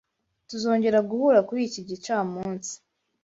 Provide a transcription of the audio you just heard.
Tuzongera guhura kuri iki gicamunsi.